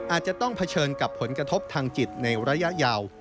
อาจจะต้องเผชิญกับผลกระทบทางจิตในระยะยาว